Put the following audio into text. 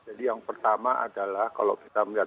jadi yang pertama adalah kalau kita melihat